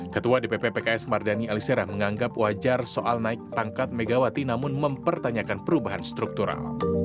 ketua dpp pks mardani alisera menganggap wajar soal naik pangkat megawati namun mempertanyakan perubahan struktural